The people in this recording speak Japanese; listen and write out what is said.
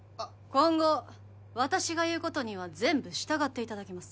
今後私が言うことには全部従っていただきます